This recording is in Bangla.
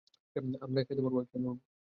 আমরা একসাথে মরবো।